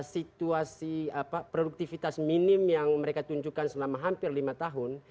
situasi produktivitas minim yang mereka tunjukkan selama hampir lima tahun